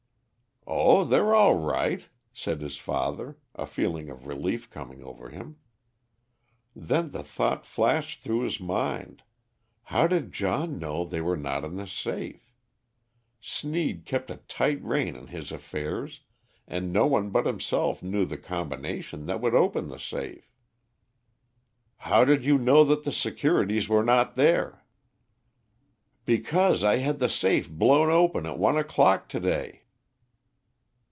"Oh, they're all right," said his father, a feeling of relief coming over him. Then the thought flashed through his mind: How did John know they were not in the safe? Sneed kept a tight rein on his affairs, and no one but himself knew the combination that would open the safe. "How did you know that the securities were not there?" "Because I had the safe blown open at one o'clock to day."